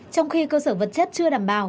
trong khi cơ sở vật chất chưa đảm bảo